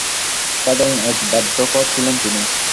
সাধারণ এক বাদ্যকর ছিলেন তিনি।